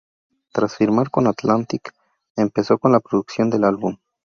Tras firmar con Atlantic, empezó con la producción del álbum.